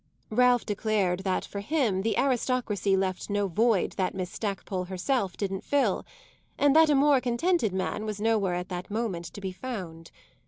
Ralph declared that for him the aristocracy left no void that Miss Stackpole herself didn't fill, and that a more contented man was nowhere at that moment to be found.